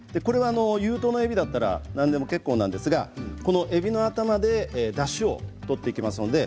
有頭のえびだったら何でも結構ですがえびの頭でだしを取っていきます。